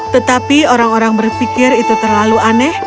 tetapi orang orang berpikir itu terlalu aneh